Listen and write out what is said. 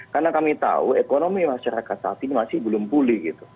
karena kami tahu ekonomi masyarakat saat ini masih belum pulih